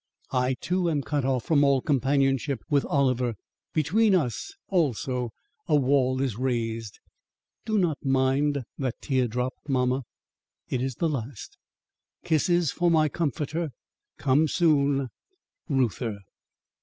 I, too, am cut off from all companionship with Oliver. Between us also a wall is raised. Do not mind that tear drop, mamma. It is the last. Kisses for my comforter. Come soon. REUTHER.